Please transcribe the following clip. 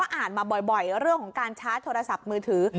อ่านมาบ่อยเรื่องของการชาร์จโทรศัพท์มือถือ